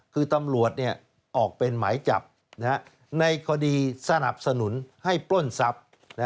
คือตำรวจออกเป็นหมายจับในคดีสนับสนุนให้ปล้นทรัพย์